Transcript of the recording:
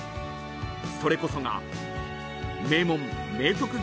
［それこそが名門明徳